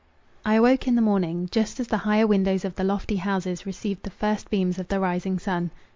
I awoke in the morning, just as the higher windows of the lofty houses received the first beams of the rising sun.